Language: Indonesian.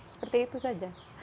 seperti itu saja